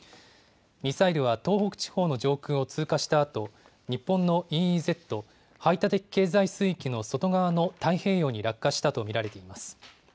ミサイルは東北地方の上空を通過したあと日本のＥＥＺ・排他的経済水域の外側の太平洋に落下したと見られています。